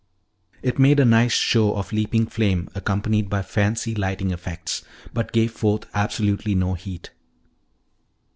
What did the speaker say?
It made a nice show of leaping flame accompanied by fancy lighting effects but gave forth absolutely no heat.